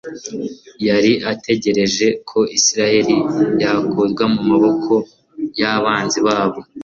Yari ategereje ko Isirayeli yakurwa mu maboko y'abanzi babo,